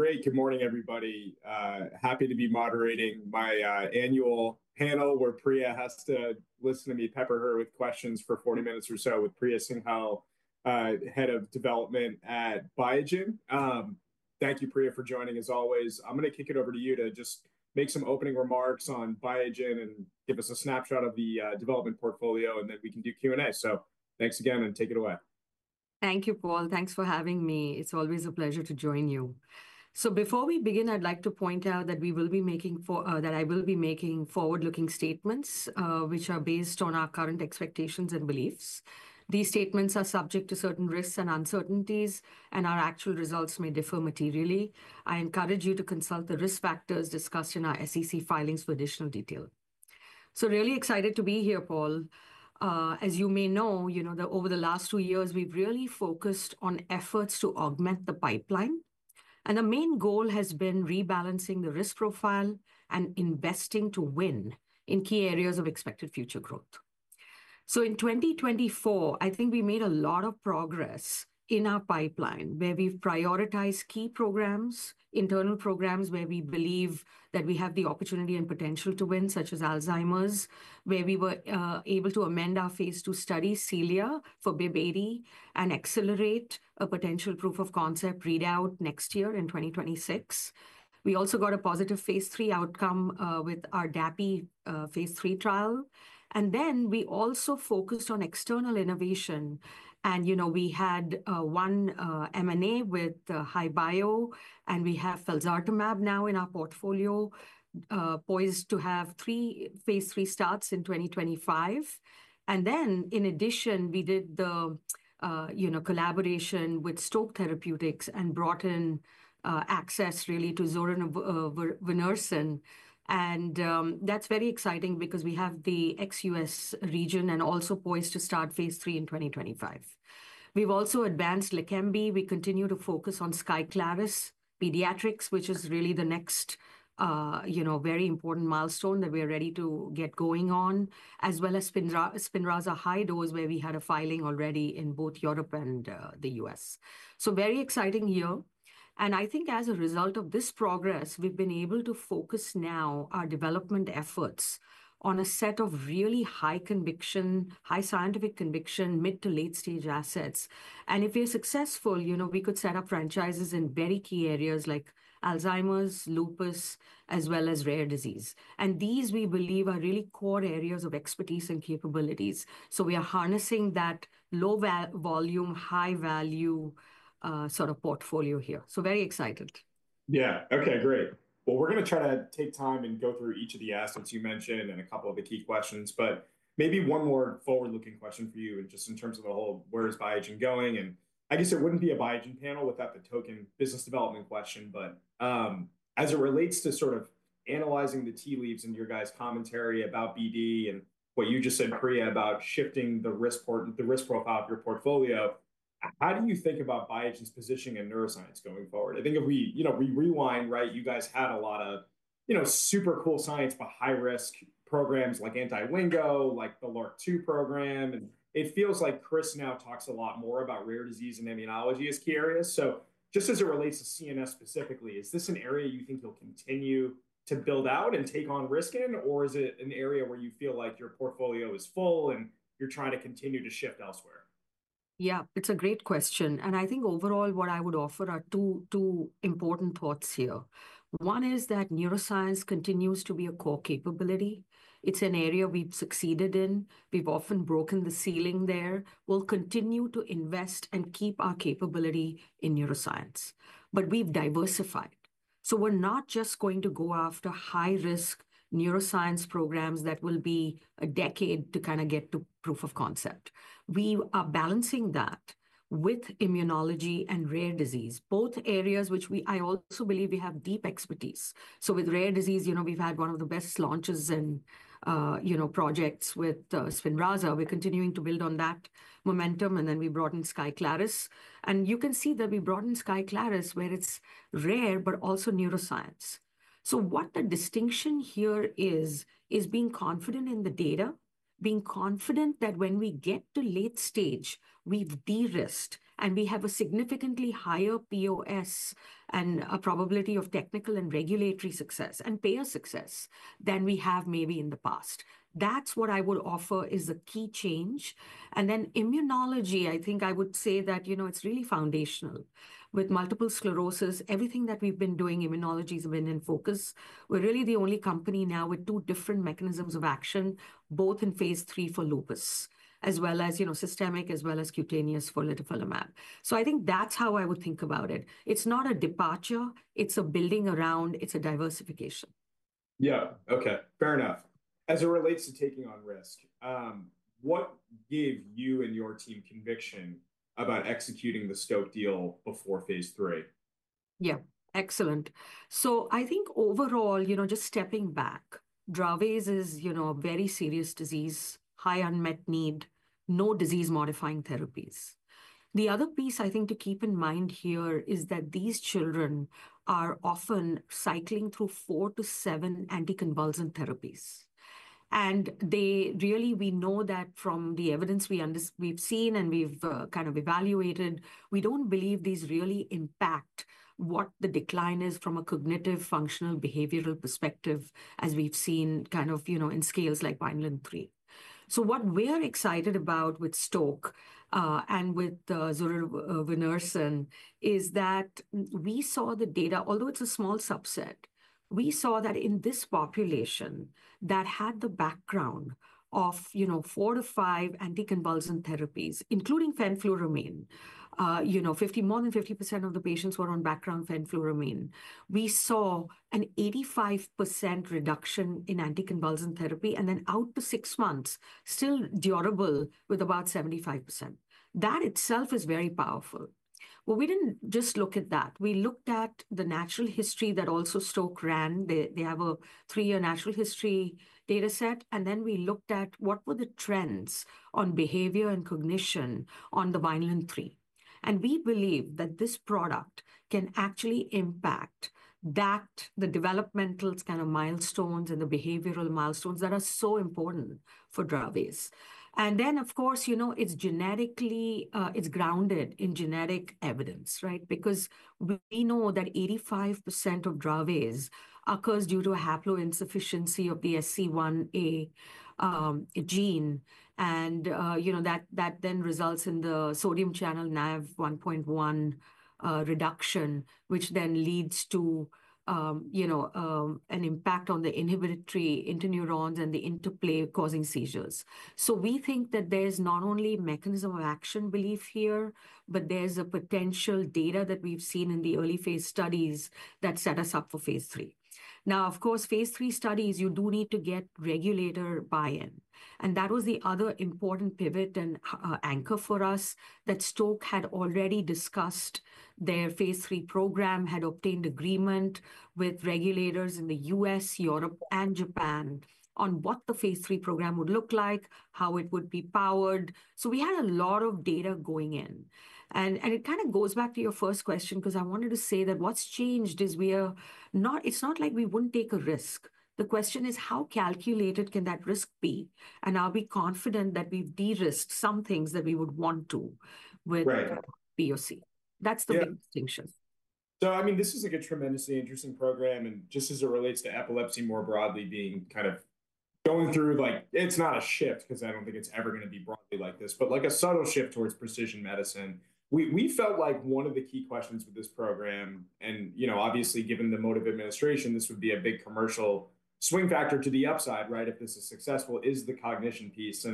Great. Good morning, everybody. Happy to be moderating my annual panel where Priya has to listen to me, pepper her with questions for 40 minutes or so with Priya Singhal, Head of Development at Biogen. Thank you, Priya, for joining as always. I am going to kick it over to you to just make some opening remarks on Biogen and give us a snapshot of the development portfolio, and then we can do Q&A. Thanks again, and take it away. Thank you, Paul. Thanks for having me. It's always a pleasure to join you. Before we begin, I'd like to point out that I will be making forward-looking statements which are based on our current expectations and beliefs. These statements are subject to certain risks and uncertainties, and our actual results may differ materially. I encourage you to consult the risk factors discussed in our SEC filings for additional detail. Really excited to be here, Paul. As you may know, you know that over the last two years, we've really focused on efforts to augment the pipeline. The main goal has been rebalancing the risk profile and investing to win in key areas of expected future growth. In 2024, I think we made a lot of progress in our pipeline where we've prioritized key programs, internal programs where we believe that we have the opportunity and potential to win, such as Alzheimer's, where we were able to amend our phase II study, Celia, for BIIB, and accelerate a potential proof of concept readout next year in 2026. We also got a positive phase III outcome with our DAPI phase III trial. We also focused on external innovation. You know we had one M&A with HI-Bio, and we have felzartamab now in our portfolio, poised to have three phase III starts in 2025. In addition, we did the collaboration with Stoke Therapeutics and brought in access really to zorevunersen. That's very exciting because we have the ex-U.S. region and also poised to start phase III in 2025. have also advanced Leqembi. We continue to focus on Skyclarys Pediatrics, which is really the next very important milestone that we are ready to get going on, as well as Spinraza High Dose, where we had a filing already in both Europe and the U.S. Very exciting year. I think as a result of this progress, we have been able to focus now our development efforts on a set of really high conviction, high scientific conviction, mid to late stage assets. If we are successful, you know we could set up franchises in very key areas like Alzheimer's, lupus, as well as rare disease. These, we believe, are really core areas of expertise and capabilities. We are harnessing that low volume, high value sort of portfolio here. Very excited. Yeah. OK, great. We are going to try to take time and go through each of the assets you mentioned and a couple of the key questions. Maybe one more forward-looking question for you just in terms of the whole, where is Biogen going? I guess it would not be a Biogen panel without the token business development question. As it relates to sort of analyzing the tea leaves in your guys' commentary about BD and what you just said, Priya, about shifting the risk profile of your portfolio, how do you think about Biogen's positioning in neuroscience going forward? I think if we rewind, right, you guys had a lot of super cool science, but high risk programs like anti-LINGO, like the LRRK2 program. It feels like Chris now talks a lot more about rare disease and immunology as key areas. Just as it relates to CNS specifically, is this an area you think you'll continue to build out and take on risk in, or is it an area where you feel like your portfolio is full and you're trying to continue to shift elsewhere? Yeah, it's a great question. I think overall, what I would offer are two important thoughts here. One is that neuroscience continues to be a core capability. It's an area we've succeeded in. We've often broken the ceiling there. We'll continue to invest and keep our capability in neuroscience. We've diversified. We're not just going to go after high risk neuroscience programs that will be a decade to kind of get to proof of concept. We are balancing that with immunology and rare disease, both areas which I also believe we have deep expertise. With rare disease, you know we've had one of the best launches and projects with Spinraza. We're continuing to build on that momentum. We broadened Skyclarys. You can see that we broadened Skyclarys, where it's rare, but also neuroscience. What the distinction here is, is being confident in the data, being confident that when we get to late stage, we've de-risked and we have a significantly higher POS and a probability of technical and regulatory success and payer success than we have maybe in the past. That's what I would offer is a key change. In immunology, I think I would say that you know it's really foundational. With multiple sclerosis, everything that we've been doing, immunology has been in focus. We're really the only company now with two different mechanisms of action, both in phase III for lupus, as well as systemic, as well as cutaneous for litifilimab. I think that's how I would think about it. It's not a departure. It's a building around. It's a diversification. Yeah. OK, fair enough. As it relates to taking on risk, what gave you and your team conviction about executing the Stoke deal before phase III? Yeah, excellent. I think overall, you know just stepping back, Dravet is a very serious disease, high unmet need, no disease-modifying therapies. The other piece I think to keep in mind here is that these children are often cycling through four to seven anticonvulsant therapies. They really, we know that from the evidence we've seen and we've kind of evaluated, we don't believe these really impact what the decline is from a cognitive, functional, behavioral perspective, as we've seen kind of you know in scales like Vineland 3. What we're excited about with Stoke and with zorevunersen is that we saw the data, although it's a small subset, we saw that in this population that had the background of four to five anticonvulsant therapies, including fenfluramine, more than 50% of the patients were on background fenfluramine. We saw an 85% reduction in anticonvulsant therapy and then out to six months, still durable with about 75%. That itself is very powerful. We did not just look at that. We looked at the natural history that also Stoke ran. They have a three-year natural history data set. We looked at what were the trends on behavior and cognition on the Vineland 3. We believe that this product can actually impact the developmental kind of milestones and the behavioral milestones that are so important for Dravet. Of course, you know it is genetically, it is grounded in genetic evidence, right? Because we know that 85% of Dravet occurs due to haploinsufficiency of the SCN1A gene. You know that then results in the sodium channel NaV1.1 reduction, which then leads to, you know, an impact on the inhibitory interneurons and the interplay causing seizures. We think that there's not only mechanism of action belief here, but there's a potential data that we've seen in the early phase studies that set us up for phase III. Of course, phase III studies, you do need to get regulator buy-in. That was the other important pivot and anchor for us that Stoke had already discussed their phase III program, had obtained agreement with regulators in the U.S., Europe, and Japan on what the phase III program would look like, how it would be powered. We had a lot of data going in. It kind of goes back to your first question because I wanted to say that what's changed is we are not, it's not like we wouldn't take a risk. The question is, how calculated can that risk be? Are we confident that we've de-risked some things that we would want to with POC? That's the big distinction. I mean, this is like a tremendously interesting program. And just as it relates to epilepsy more broadly, being kind of going through, like it's not a shift because I don't think it's ever going to be broadly like this, but like a subtle shift towards precision medicine. We felt like one of the key questions with this program, and you know obviously given the mode of administration, this would be a big commercial swing factor to the upside, right? If this is successful, is the cognition piece?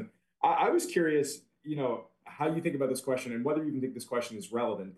I was curious you know how you think about this question and whether you even think this question is relevant.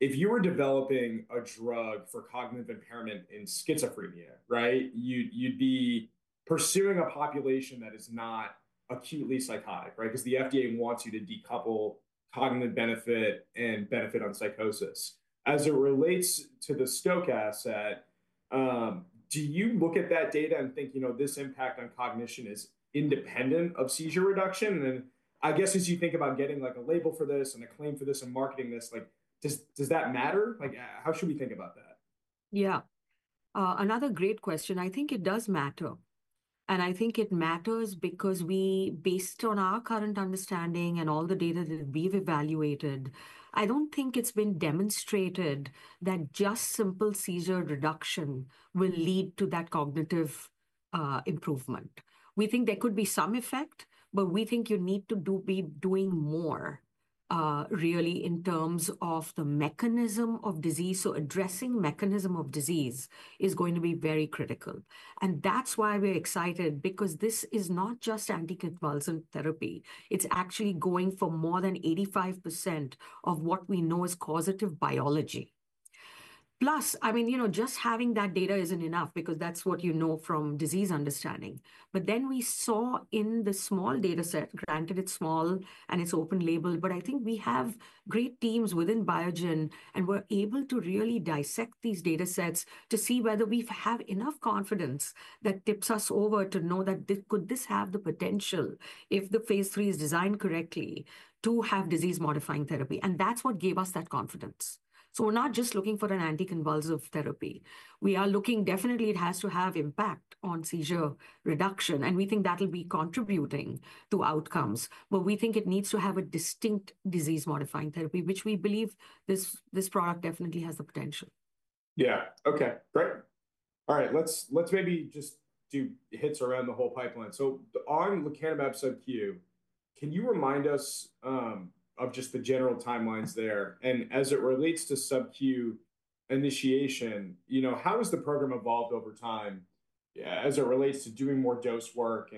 If you were developing a drug for cognitive impairment in schizophrenia, right, you'd be pursuing a population that is not acutely psychotic, right? Because the FDA wants you to decouple cognitive benefit and benefit on psychosis. As it relates to the Stoke asset, do you look at that data and think, you know, this impact on cognition is independent of seizure reduction? And then I guess as you think about getting like a label for this and a claim for this and marketing this, like does that matter? Like how should we think about that? Yeah. Another great question. I think it does matter. I think it matters because we, based on our current understanding and all the data that we've evaluated, I don't think it's been demonstrated that just simple seizure reduction will lead to that cognitive improvement. We think there could be some effect, but we think you need to be doing more really in terms of the mechanism of disease. Addressing the mechanism of disease is going to be very critical. That's why we're excited because this is not just anticonvulsant therapy. It's actually going for more than 85% of what we know is causative biology. Plus, I mean, you know just having that data isn't enough because that's what you know from disease understanding. Then we saw in the small data set, granted it's small and it's open label, but I think we have great teams within Biogen and we're able to really dissect these data sets to see whether we have enough confidence that tips us over to know that could this have the potential if the phase III is designed correctly to have disease-modifying therapy. That's what gave us that confidence. We're not just looking for an anticonvulsive therapy. We are looking definitely it has to have impact on seizure reduction. We think that'll be contributing to outcomes. We think it needs to have a distinct disease-modifying therapy, which we believe this product definitely has the potential. Yeah. OK, great. All right, let's maybe just do hits around the whole pipeline. On lecanemab sub Q, can you remind us of just the general timelines there? As it relates to sub Q initiation, you know how has the program evolved over time as it relates to doing more dose work?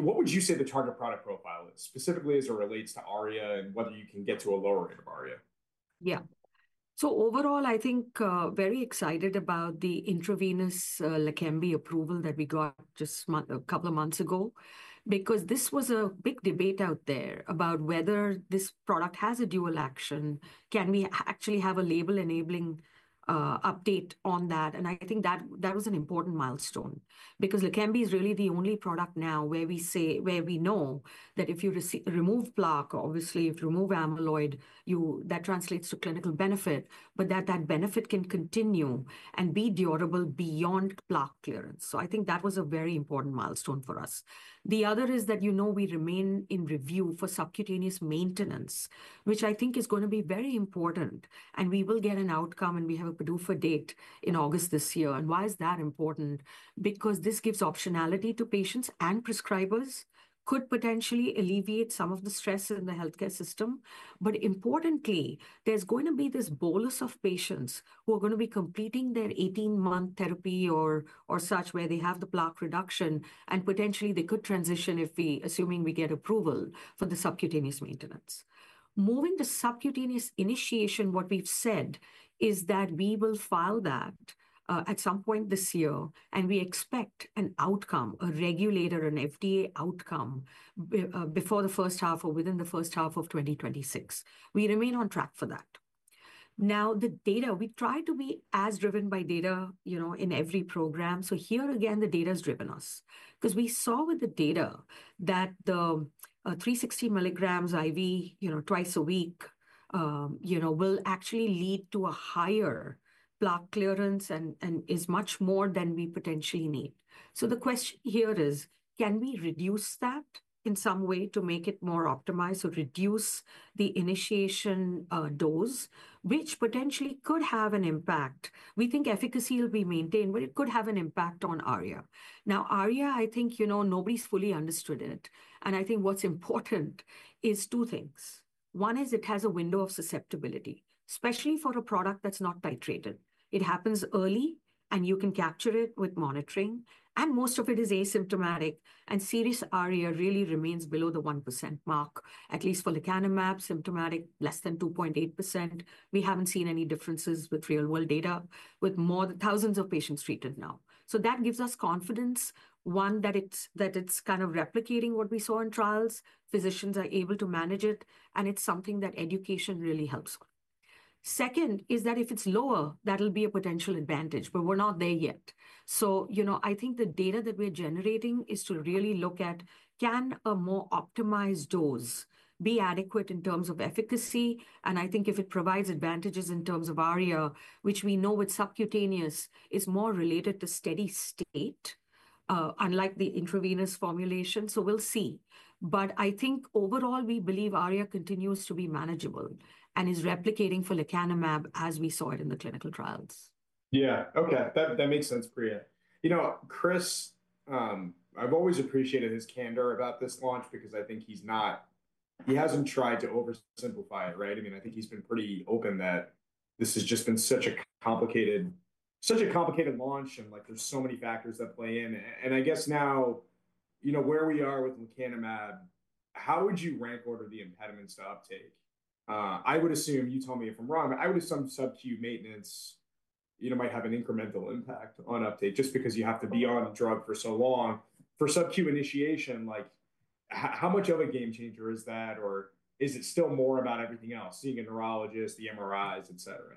What would you say the target product profile is, specifically as it relates to ARIA and whether you can get to a lower rate of ARIA? Yeah. So overall, I think very excited about the intravenous Leqembi approval that we got just a couple of months ago because this was a big debate out there about whether this product has a dual action. Can we actually have a label enabling update on that? I think that was an important milestone because Leqembi is really the only product now where we say, where we know that if you remove plaque, obviously if you remove amyloid, that translates to clinical benefit, but that that benefit can continue and be durable beyond plaque clearance. I think that was a very important milestone for us. The other is that you know we remain in review for subcutaneous maintenance, which I think is going to be very important. We will get an outcome and we have a PDUFA date in August this year. Why is that important? Because this gives optionality to patients and prescribers, could potentially alleviate some of the stress in the health care system. Importantly, there's going to be this bolus of patients who are going to be completing their 18-month therapy or such where they have the plaque reduction and potentially they could transition if we, assuming we get approval for the subcutaneous maintenance. Moving to subcutaneous initiation, what we've said is that we will file that at some point this year. We expect an outcome, a regulator, an FDA outcome before the first half or within the first half of 2026. We remain on track for that. Now, the data, we try to be as driven by data, you know, in every program. Here again, the data has driven us because we saw with the data that the 360 milligrams IV, you know, twice a week, you know, will actually lead to a higher plaque clearance and is much more than we potentially need. The question here is, can we reduce that in some way to make it more optimized or reduce the initiation dose, which potentially could have an impact? We think efficacy will be maintained, but it could have an impact on ARIA. Now, ARIA, I think you know, nobody's fully understood it. I think what's important is two things. One is it has a window of susceptibility, especially for a product that's not titrated. It happens early and you can capture it with monitoring. Most of it is asymptomatic. Serious ARIA really remains below the 1% mark, at least for lecanemab, symptomatic less than 2.8%. We have not seen any differences with real-world data with more than thousands of patients treated now. That gives us confidence, one, that it is kind of replicating what we saw in trials. Physicians are able to manage it. It is something that education really helps with. Second is that if it is lower, that will be a potential advantage, but we are not there yet. You know, I think the data that we are generating is to really look at can a more optimized dose be adequate in terms of efficacy? I think if it provides advantages in terms of ARIA, which we know with subcutaneous is more related to steady state, unlike the intravenous formulation. We will see. I think overall, we believe ARIA continues to be manageable and is replicating for lecanemab as we saw it in the clinical trials. Yeah. OK, that makes sense, Priya. You know, Chris, I've always appreciated his candor about this launch because I think he's not, he hasn't tried to oversimplify it, right? I mean, I think he's been pretty open that this has just been such a complicated, such a complicated launch. Like there's so many factors that play in. I guess now, you know where we are with lecanemab, how would you rank order the impediments to uptake? I would assume, you tell me if I'm wrong, but I would assume sub Q maintenance, you know might have an incremental impact on uptake just because you have to be on the drug for so long. For sub Q initiation, like how much of a game changer is that? Is it still more about everything else, seeing a neurologist, the MRIs, et cetera?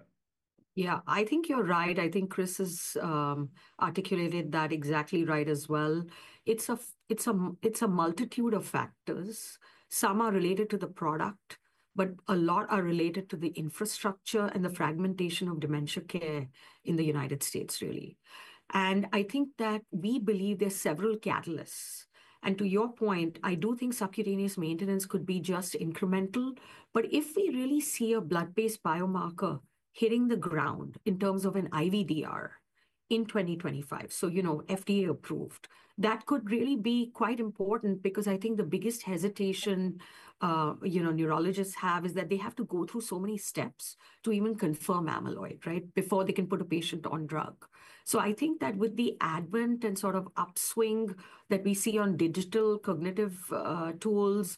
Yeah, I think you're right. I think Chris has articulated that exactly right as well. It's a multitude of factors. Some are related to the product, but a lot are related to the infrastructure and the fragmentation of dementia care in the United States, really. I think that we believe there's several catalysts. To your point, I do think subcutaneous maintenance could be just incremental. If we really see a blood-based biomarker hitting the ground in terms of an IVD in 2025, you know FDA approved, that could really be quite important because I think the biggest hesitation, you know, neurologists have is that they have to go through so many steps to even confirm amyloid, right, before they can put a patient on drug. I think that with the advent and sort of upswing that we see on digital cognitive tools,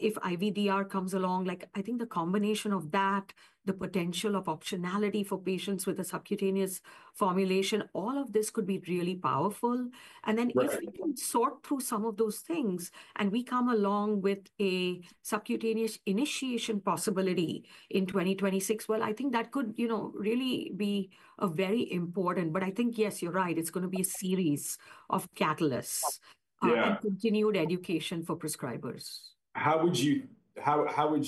if IVDR comes along, I think the combination of that, the potential of optionality for patients with a subcutaneous formulation, all of this could be really powerful. And then if we can sort through some of those things and we come along with a subcutaneous initiation possibility in 2026, I think that could, you know, really be very important. I think, yes, you're right. It's going to be a series of catalysts and continued education for prescribers. How would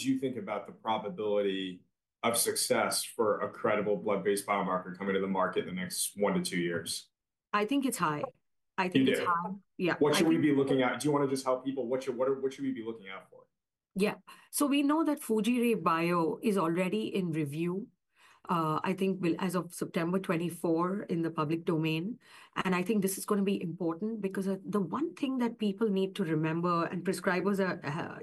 you think about the probability of success for a credible blood-based biomarker coming to the market in the next one to two years? I think it's high. I think it's high. Yeah. What should we be looking at? Do you want to just help people? What should we be looking out for? Yeah. We know that Fujirebio is already in review, I think as of September 24 in the public domain. I think this is going to be important because the one thing that people need to remember, and prescribers,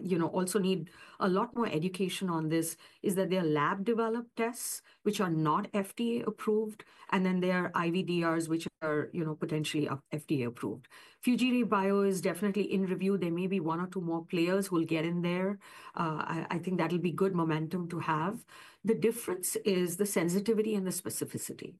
you know, also need a lot more education on this, is that there are lab-developed tests, which are not FDA approved. Then there are IVDs, which are, you know, potentially FDA approved. Fujirebio is definitely in review. There may be one or two more players who will get in there. I think that'll be good momentum to have. The difference is the sensitivity and the specificity.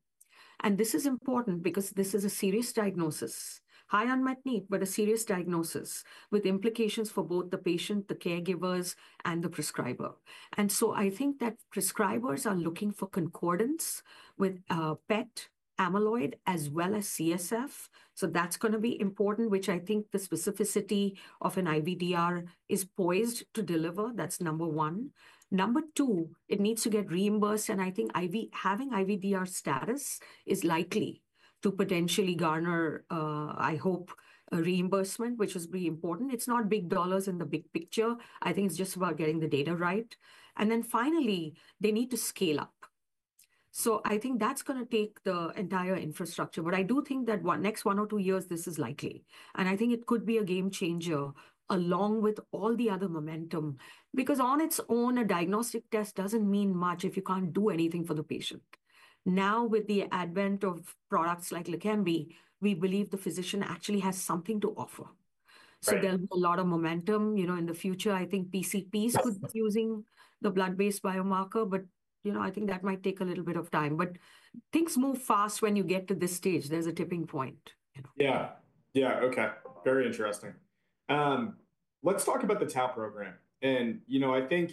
This is important because this is a serious diagnosis, high on unmet need, but a serious diagnosis with implications for both the patient, the caregivers, and the prescriber. I think that prescribers are looking for concordance with PET, amyloid, as well as CSF. That is going to be important, which I think the specificity of an IVDR is poised to deliver. That is number one. Number two, it needs to get reimbursed. I think having IVDR status is likely to potentially garner, I hope, a reimbursement, which is pretty important. It is not big dollars in the big picture. I think it is just about getting the data right. Finally, they need to scale up. I think that is going to take the entire infrastructure. I do think that next one or two years, this is likely. I think it could be a game changer along with all the other momentum because on its own, a diagnostic test does not mean much if you cannot do anything for the patient. Now, with the advent of products like Leqembi, we believe the physician actually has something to offer. There'll be a lot of momentum, you know, in the future. I think PCPs could be using the blood-based biomarker. But, you know, I think that might take a little bit of time. Things move fast when you get to this stage. There's a tipping point. Yeah. Yeah. OK, very interesting. Let's talk about the tau program. You know, I think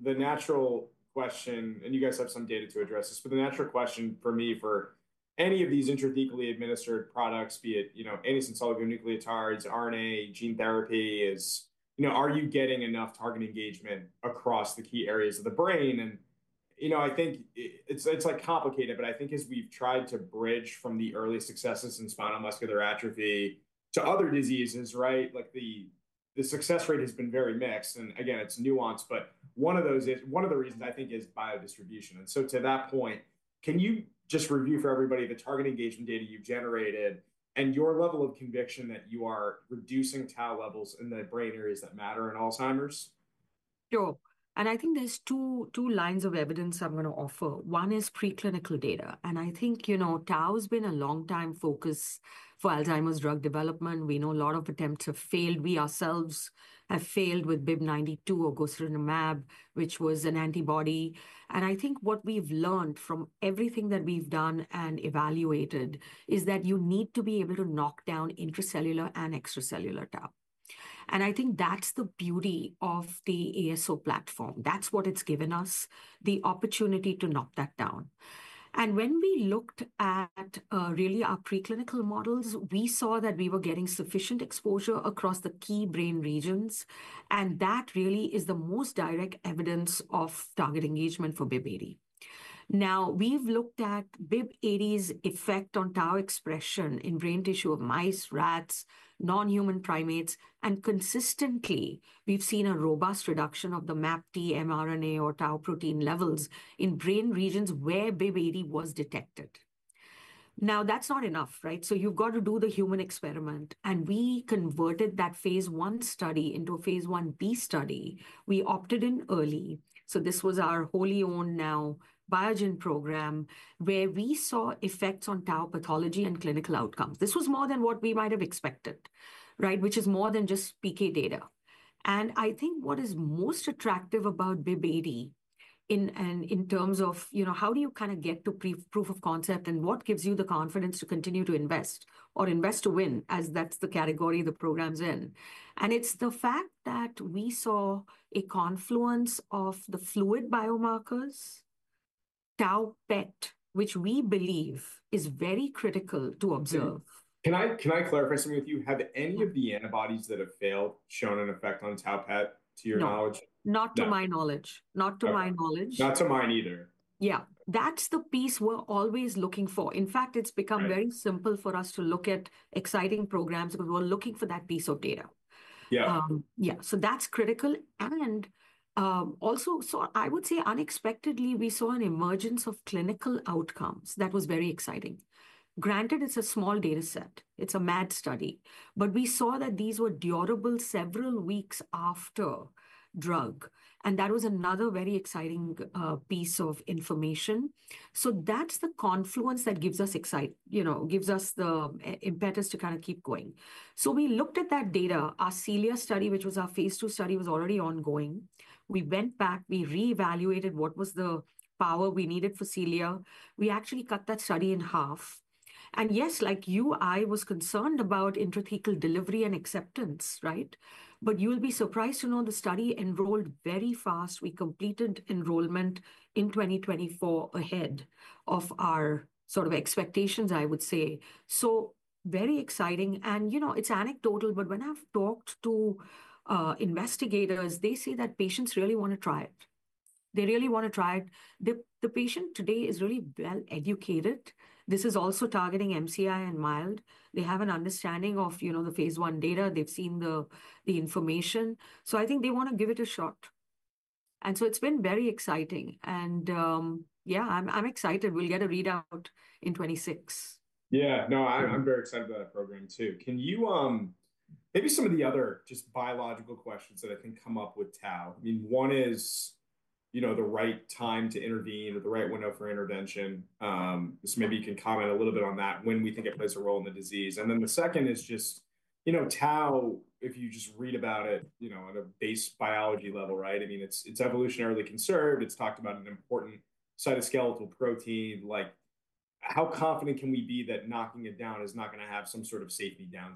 the natural question, and you guys have some data to address this, but the natural question for me for any of these intrathecally administered products, be it, you know, antisense oligonucleotides, RNA, gene therapy, is, you know, are you getting enough target engagement across the key areas of the brain? You know, I think it's complicated, but I think as we've tried to bridge from the early successes in spinal muscular atrophy to other diseases, like, the success rate has been very mixed. Again, it's nuanced. One of those is, one of the reasons I think is biodistribution. To that point, can you just review for everybody the target engagement data you've generated and your level of conviction that you are reducing tau levels in the brain areas that matter in Alzheimer's? Sure. I think there are two lines of evidence I'm going to offer. One is preclinical data. I think you know tau has been a long-time focus for Alzheimer's drug development. We know a lot of attempts have failed. We ourselves have failed with BIIB092 or gosuranemab, which was an antibody. I think what we've learned from everything that we've done and evaluated is that you need to be able to knock down intracellular and extracellular tau. I think that's the beauty of the ASO platform. That's what it's given us, the opportunity to knock that down. When we looked at really our preclinical models, we saw that we were getting sufficient exposure across the key brain regions. That really is the most direct evidence of target engagement for BIIB080. Now, we've looked at BIIB080's effect on tau expression in brain tissue of mice, rats, non-human primates. And consistently, we've seen a robust reduction of the MAPT mRNA or tau protein levels in brain regions where BIIB080 was detected. Now, that's not enough, right? You've got to do the human experiment. We converted that phase I study into a phase Ib study. We opted in early. This was our wholly owned now Biogen program where we saw effects on tau pathology and clinical outcomes. This was more than what we might have expected, right, which is more than just PK data. I think what is most attractive about BIIB080 in terms of, you know, how do you kind of get to proof of concept and what gives you the confidence to continue to invest or invest to win, as that's the category the program's in. It is the fact that we saw a confluence of the fluid biomarkers, tau PET, which we believe is very critical to observe. Can I clarify something with you? Have any of the antibodies that have failed shown an effect on tau PET to your knowledge? Not to my knowledge. Not to mine either. Yeah. That's the piece we're always looking for. In fact, it's become very simple for us to look at exciting programs because we're looking for that piece of data. Yeah. Yeah. That's critical. Also, I would say unexpectedly, we saw an emergence of clinical outcomes that was very exciting. Granted, it's a small data set. It's a mad study. We saw that these were durable several weeks after drug. That was another very exciting piece of information. That's the confluence that gives us excitement, you know, gives us the impetus to kind of keep going. We looked at that data. Our Celia study, which was our phase II study, was already ongoing. We went back. We reevaluated what was the power we needed for Celia. We actually cut that study in half. Yes, like you, I was concerned about intrathecal delivery and acceptance, right? You'll be surprised to know the study enrolled very fast. We completed enrollment in 2024 ahead of our sort of expectations, I would say. Very exciting. You know it's anecdotal, but when I've talked to investigators, they say that patients really want to try it. They really want to try it. The patient today is really well educated. This is also targeting MCI and mild. They have an understanding of, you know, the phase I data. They've seen the information. I think they want to give it a shot. It's been very exciting. Yeah, I'm excited. We'll get a readout in 2026. Yeah. No, I'm very excited about that program too. Can you maybe some of the other just biological questions that I think come up with TAU? I mean, one is you know the right time to intervene or the right window for intervention. Maybe you can comment a little bit on that when we think it plays a role in the disease. The second is just you know TAU, if you just read about it you know at a base biology level, right? I mean, it's evolutionarily conserved. It's talked about as an important cytoskeletal protein. Like how confident can we be that knocking it down is not going to have some sort of safety down?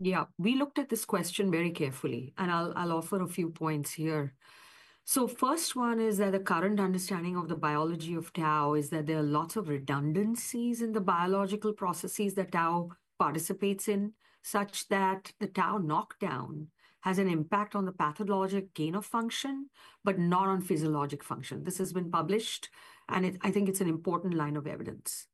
Yeah. We looked at this question very carefully. I'll offer a few points here. The first one is that the current understanding of the biology of tau is that there are lots of redundancies in the biological processes that tau participates in, such that the tau knockdown has an impact on the pathologic gain of function, but not on physiologic function. This has been published. I think it's an important line of evidence.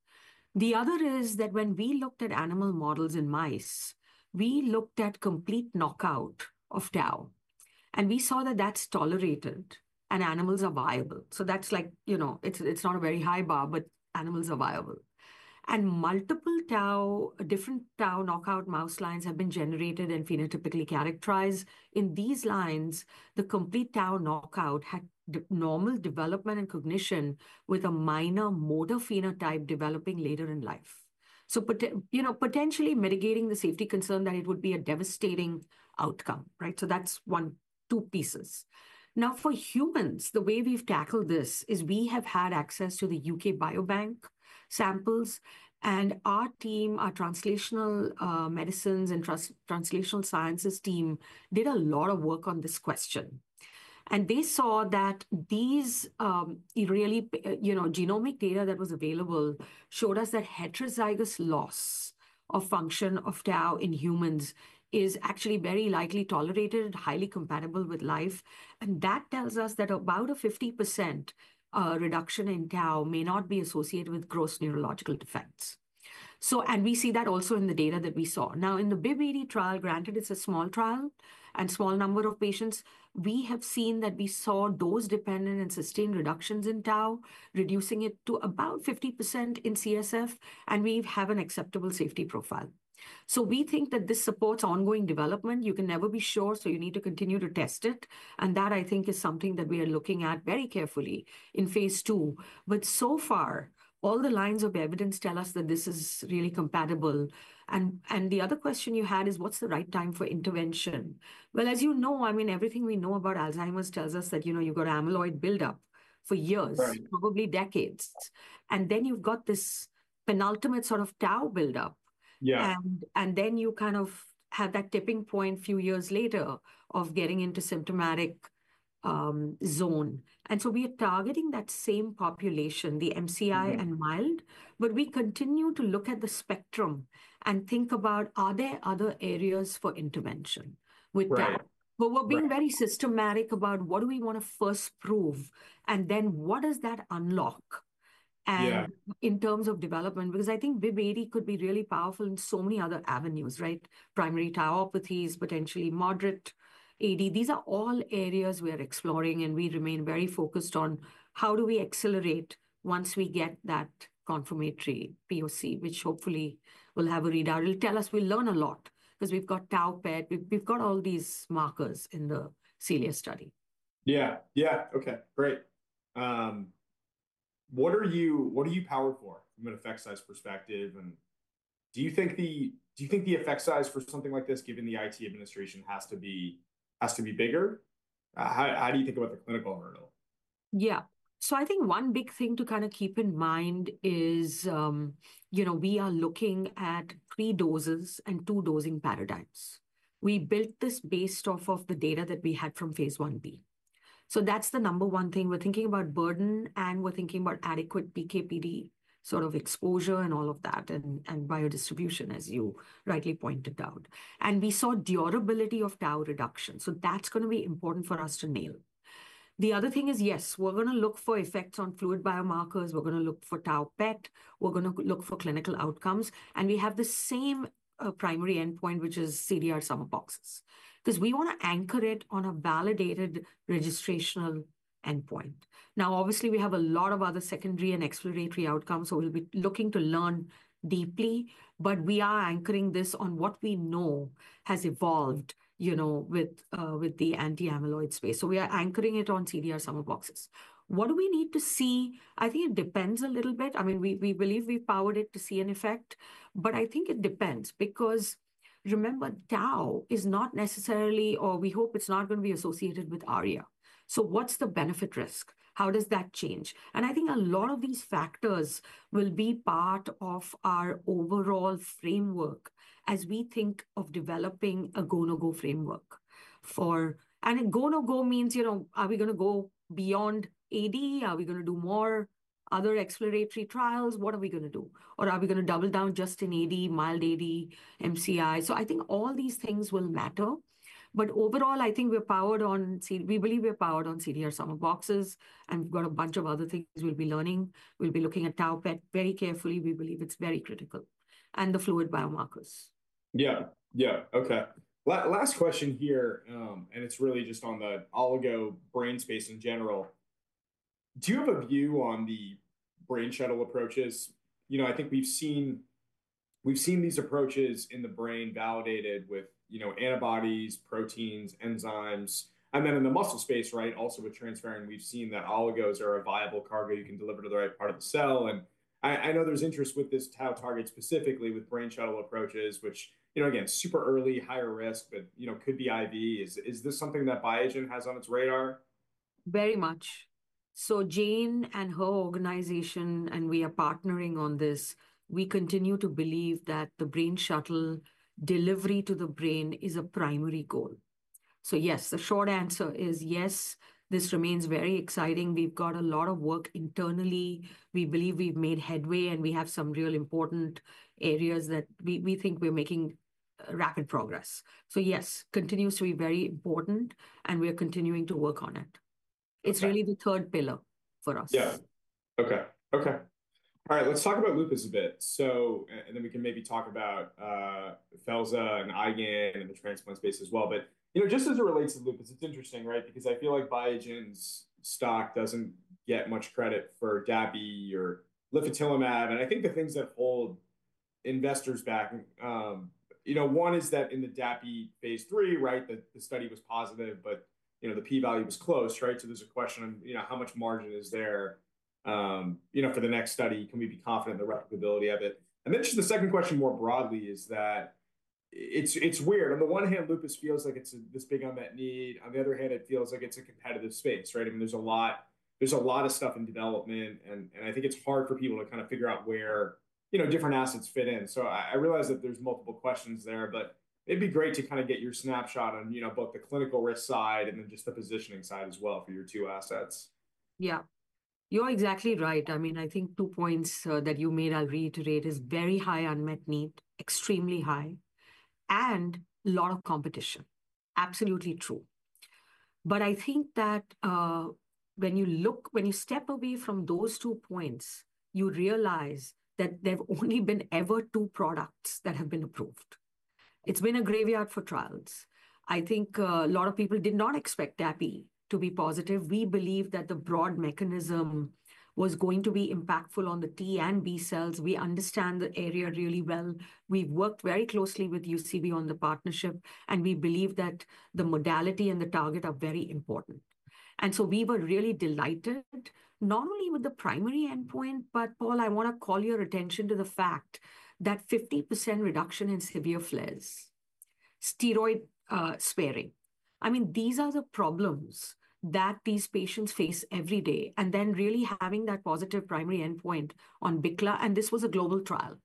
The other is that when we looked at animal models in mice, we looked at complete knockout of tau. We saw that that's tolerated, and animals are viable. That's like, you know, it's not a very high bar, but animals are viable. Multiple tau, different tau knockout mouse lines have been generated and phenotypically characterized. In these lines, the complete TAU knockout had normal development and cognition with a minor motor phenotype developing later in life. You know, potentially mitigating the safety concern that it would be a devastating outcome, right? That is one, two pieces. Now, for humans, the way we have tackled this is we have had access to the U.K. Biobank samples. Our team, our translational medicines and translational sciences team, did a lot of work on this question. They saw that these really, you know, genomic data that was available showed us that heterozygous loss of function of TAU in humans is actually very likely tolerated, highly compatible with life. That tells us that about a 50% reduction in TAU may not be associated with gross neurological defects. We see that also in the data that we saw. Now, in the BIIB080 trial, granted, it's a small trial and small number of patients. We have seen that we saw dose-dependent and sustained reductions in tau, reducing it to about 50% in CSF. And we have an acceptable safety profile. We think that this supports ongoing development. You can never be sure. You need to continue to test it. That, I think, is something that we are looking at very carefully in phase II. So far, all the lines of evidence tell us that this is really compatible. The other question you had is, what's the right time for intervention? As you know, I mean, everything we know about Alzheimer's tells us that you've got amyloid buildup for years, probably decades. Then you've got this penultimate sort of tau buildup. Yeah. You kind of have that tipping point a few years later of getting into symptomatic zone. We are targeting that same population, the MCI and mild. We continue to look at the spectrum and think about, are there other areas for intervention with TAU? We are being very systematic about what do we want to first prove and then what does that unlock in terms of development. I think BIIB080 could be really powerful in so many other avenues, right? Primary tauopathies, potentially moderate AD. These are all areas we are exploring. We remain very focused on how do we accelerate once we get that confirmatory POC, which hopefully will have a readout. It will tell us, we will learn a lot because we have got TAU PET. We have got all these markers in the Celia study. Yeah. Yeah. OK, great. What are you powered for from an effect size perspective? And do you think the effect size for something like this, given the IT administration, has to be bigger? How do you think about the clinical hurdle? Yeah. I think one big thing to kind of keep in mind is, you know, we are looking at three doses and two dosing paradigms. We built this based off of the data that we had from phase Ib. That's the number one thing. We're thinking about burden. We're thinking about adequate PK/PD sort of exposure and all of that and biodistribution, as you rightly pointed out. We saw durability of tau reduction. That's going to be important for us to nail. The other thing is, yes, we're going to look for effects on fluid biomarkers. We're going to look for tau PET. We're going to look for clinical outcomes. We have the same primary endpoint, which is CDR-SB, because we want to anchor it on a validated registrational endpoint. Now, obviously, we have a lot of other secondary and exploratory outcomes. We'll be looking to learn deeply. We are anchoring this on what we know has evolved, you know, with the anti-amyloid space. We are anchoring it on CDR-SB. What do we need to see? I think it depends a little bit. I mean, we believe we've powered it to see an effect. I think it depends because remember, tau is not necessarily, or we hope it's not going to be associated with ARIA. What's the benefit risk? How does that change? I think a lot of these factors will be part of our overall framework as we think of developing a go-no-go framework. A go-no-go means, you know, are we going to go beyond AD? Are we going to do more other exploratory trials? What are we going to do? Are we going to double down just in AD, mild AD, MCI? I think all these things will matter. Overall, I think we're powered on, we believe we're powered on CDR-SB. We've got a bunch of other things we'll be learning. We'll be looking at tau PET very carefully. We believe it's very critical, and the fluid biomarkers. Yeah. Yeah. OK. Last question here. And it's really just on the oligo brain space in general. Do you have a view on the brain shuttle approaches? You know, I think we've seen these approaches in the brain validated with, you know, antibodies, proteins, enzymes. And then in the muscle space, right, also with transferrin, we've seen that oligos are a viable cargo you can deliver to the right part of the cell. And I know there's interest with this TAU target specifically with brain shuttle approaches, which, you know, again, super early, higher risk, but you know could be IV. Is this something that Biogen has on its radar? Very much. Jane and her organization, and we are partnering on this. We continue to believe that the brain shuttle delivery to the brain is a primary goal. Yes, the short answer is yes. This remains very exciting. We've got a lot of work internally. We believe we've made headway. We have some real important areas that we think we're making rapid progress. Yes, continues to be very important. We are continuing to work on it. It's really the third pillar for us. Yeah. OK. OK. All right. Let's talk about lupus a bit. And then we can maybe talk about Felzartamab and Biogen and the transplant space as well. But you know, just as it relates to lupus, it's interesting, right? Because I feel like Biogen's stock doesn't get much credit for dapirolizumab or litifilimab. And I think the things that hold investors back, you know, one is that in the dapirolizumab phase III, right, the study was positive. But you know, the p-value was close, right? So there's a question on how much margin is there, you know, for the next study? Can we be confident in the replicability of it? And then just the second question more broadly is that it's weird. On the one hand, lupus feels like it's this big unmet need. On the other hand, it feels like it's a competitive space, right? I mean, there's a lot of stuff in development. I think it's hard for people to kind of figure out where, you know, different assets fit in. I realize that there's multiple questions there. It'd be great to kind of get your snapshot on, you know, both the clinical risk side and then just the positioning side as well for your two assets. Yeah. You are exactly right. I mean, I think two points that you made I'll reiterate is very high unmet need, extremely high, and a lot of competition. Absolutely true. I think that when you look, when you step away from those two points, you realize that there've only been ever two products that have been approved. It's been a graveyard for trials. I think a lot of people did not expect dapirolizumab pegol to be positive. We believe that the broad mechanism was going to be impactful on the T and B cells. We understand the area really well. We've worked very closely with UCB on the partnership. We believe that the modality and the target are very important. We were really delighted, not only with the primary endpoint, but Paul, I want to call your attention to the fact that 50% reduction in severe flares, steroid sparing. I mean, these are the problems that these patients face every day. I mean, really having that positive primary endpoint on BICLA, and this was a global trial.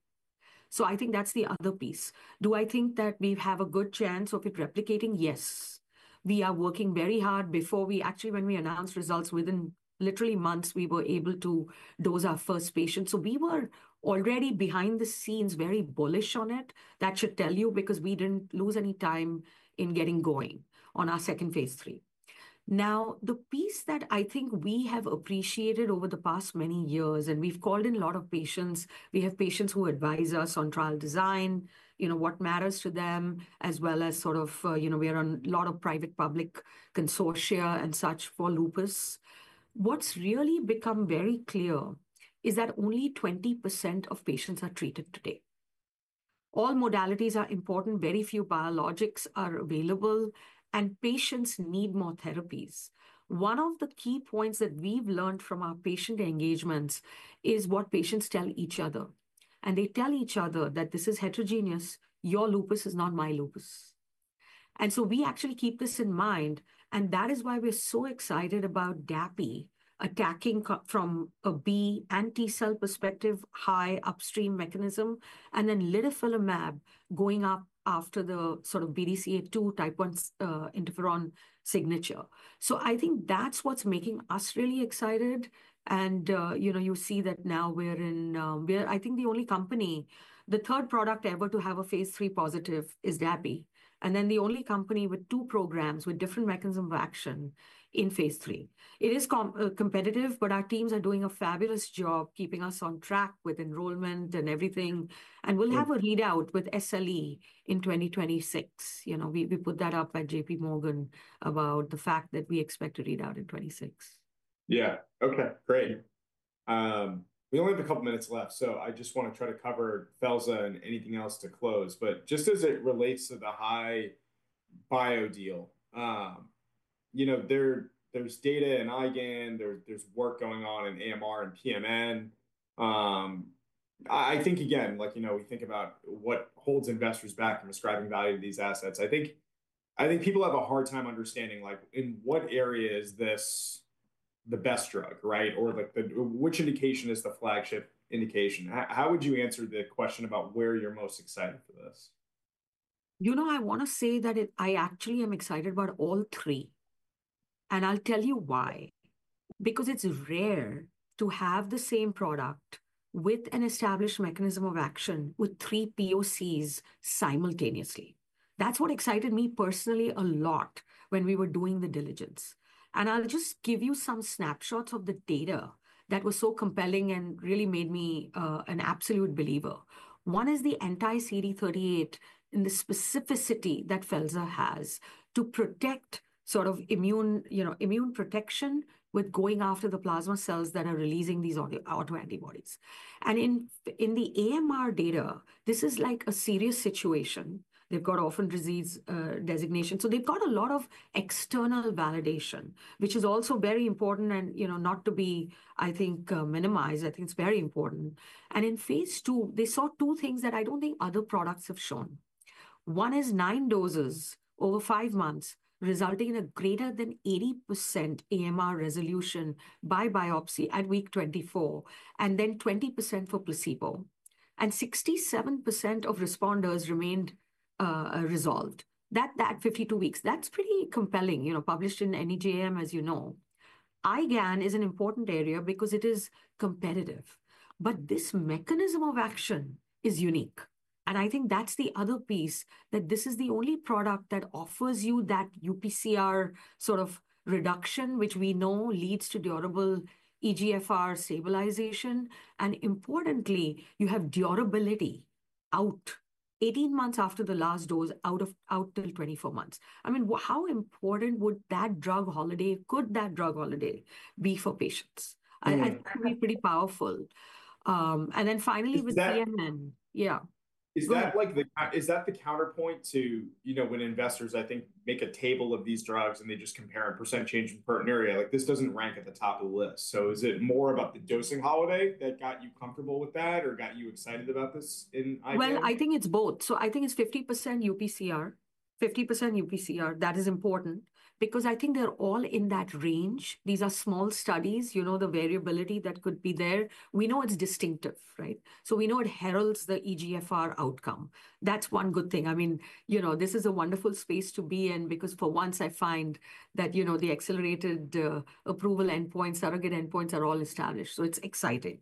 I think that's the other piece. Do I think that we have a good chance of it replicating? Yes. We are working very hard. Before we actually, when we announced results within literally months, we were able to dose our first patient. We were already behind the scenes very bullish on it. That should tell you because we did not lose any time in getting going on our second phase III. Now, the piece that I think we have appreciated over the past many years, and we've called in a lot of patients, we have patients who advise us on trial design, you know what matters to them, as well as sort of, you know, we are on a lot of private-public consortia and such for lupus. What's really become very clear is that only 20% of patients are treated today. All modalities are important. Very few biologics are available. And patients need more therapies. One of the key points that we've learned from our patient engagements is what patients tell each other. They tell each other that this is heterogeneous. Your lupus is not my lupus. We actually keep this in mind. That is why we're so excited about dapirolizumab pegol attacking from a B anticellular perspective, high upstream mechanism, and then litifilimab going up after the sort of BDCA2 type 1 interferon signature. I think that's what's making us really excited. You know, you see that now we're in, I think, the only company, the third product ever to have a phase III positive is dapirolizumab pegol, and then the only company with two programs with different mechanisms of action in phase III. It is competitive. Our teams are doing a fabulous job keeping us on track with enrollment and everything. We'll have a readout with SLE in 2026. You know, we put that up at JPMorgan about the fact that we expect a readout in 2026. Yeah. OK, great. We only have a couple of minutes left. I just want to try to cover Felzartamab and anything else to close. Just as it relates to the HI-Bio deal, you know, there's data in IgAN. There's work going on in AMR and PMN. I think, again, like, you know, we think about what holds investors back from ascribing value to these assets. I think people have a hard time understanding, like, in what area is this the best drug, right? Or which indication is the flagship indication? How would you answer the question about where you're most excited for this? You know, I want to say that I actually am excited about all three. And I'll tell you why. Because it's rare to have the same product with an established mechanism of action with three POCs simultaneously. That's what excited me personally a lot when we were doing the diligence. And I'll just give you some snapshots of the data that were so compelling and really made me an absolute believer. One is the anti-CD38 in the specificity that felzartamab has to protect sort of immune protection with going after the plasma cells that are releasing these autoantibodies. And in the AMR data, this is like a serious situation. They've got orphan disease designation. So they've got a lot of external validation, which is also very important and you know not to be, I think, minimized. I think it's very important. In phase II, they saw two things that I don't think other products have shown. One is nine doses over five months resulting in a greater than 80% AMR resolution by biopsy at week 24, and then 20% for placebo. And 67% of responders remained resolved. That 52 weeks, that's pretty compelling, you know, published in NEJM, as you know. IgAN is an important area because it is competitive. This mechanism of action is unique. I think that's the other piece, that this is the only product that offers you that UPCR sort of reduction, which we know leads to durable eGFR stabilization. Importantly, you have durability out 18 months after the last dose, out till 24 months. I mean, how important would that drug holiday, could that drug holiday be for patients? I think it would be pretty powerful. Finally, with PMN. Is that like the counterpoint to, you know, when investors, I think, make a table of these drugs and they just compare a % change in protein area, like, this doesn't rank at the top of the list. Is it more about the dosing holiday that got you comfortable with that or got you excited about this in IgA? I think it's both. I think it's 50% UPCR, 50% UPCR. That is important because I think they're all in that range. These are small studies. You know, the variability that could be there, we know it's distinctive, right? We know it heralds the eGFR outcome. That's one good thing. I mean, you know, this is a wonderful space to be in because for once, I find that, you know, the accelerated approval endpoints, surrogate endpoints are all established. It's exciting.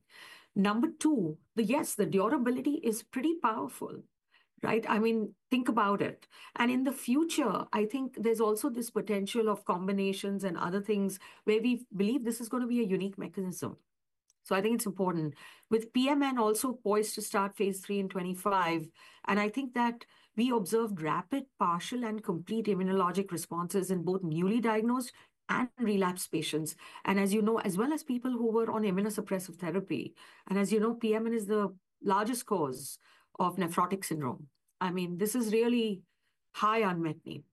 Number two, yes, the durability is pretty powerful, right? I mean, think about it. In the future, I think there's also this potential of combinations and other things where we believe this is going to be a unique mechanism. I think it's important. With PMN also poised to start phase III in 2025. I think that we observed rapid partial and complete immunologic responses in both newly diagnosed and relapsed patients. And as you know, as well as people who were on immunosuppressive therapy. As you know, PMN is the largest cause of nephrotic syndrome. I mean, this is really high unmet need.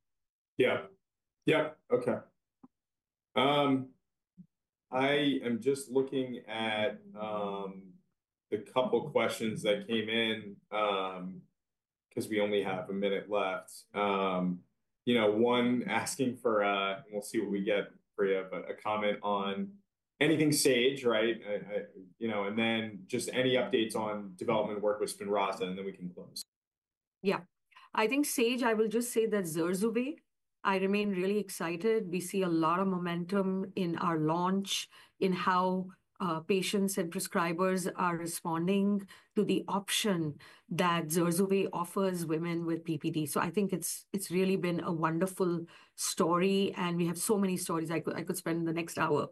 Yeah. Yeah. OK. I am just looking at a couple of questions that came in because we only have a minute left. You know, one asking for, and we'll see what we get Priya, but a comment on anything Sage, right? You know, and then just any updates on development work with Spinraza. And then we can close. Yeah. I think Sage, I will just say that Zurzuvae, I remain really excited. We see a lot of momentum in our launch in how patients and prescribers are responding to the option that Zurzuvae offers women with PPD. I think it has really been a wonderful story. We have so many stories. I could spend the next hour.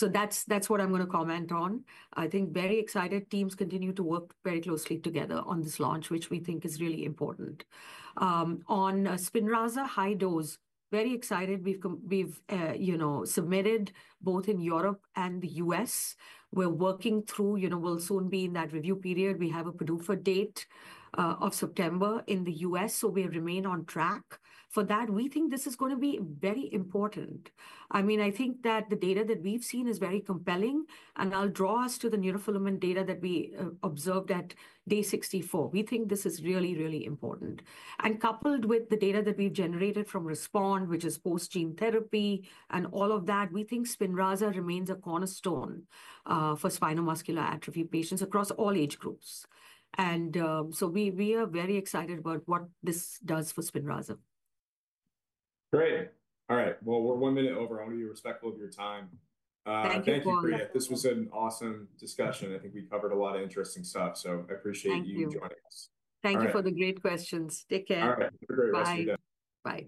That is what I am going to comment on. I think very excited. Teams continue to work very closely together on this launch, which we think is really important. On Spinraza, high dose, very excited. We have, you know, submitted both in Europe and the U.S. We are working through, you know, we will soon be in that review period. We have a PDUFA date of September in the U.S. We remain on track for that. We think this is going to be very important. I mean, I think that the data that we've seen is very compelling. I will draw us to the neurofilament data that we observed at day 64. We think this is really, really important. Coupled with the data that we've generated from Respond, which is post-gene therapy and all of that, we think Spinraza remains a cornerstone for spinal muscular atrophy patients across all age groups. We are very excited about what this does for Spinraza. Great. All right. We're one minute over. I want to be respectful of your time. Thank you. Thank you, Priya. This was an awesome discussion. I think we covered a lot of interesting stuff. I appreciate you joining us. Thank you for the great questions. Take care. All right. Bye. Bye. Bye.